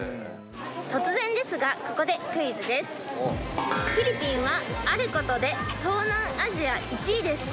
突然ですがここでクイズですフィリピンはあることで東南アジア１位です